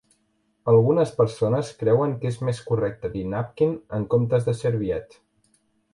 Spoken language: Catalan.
Algunes persones creuen que és més correcte dir "napkin" en comptes de "serviette"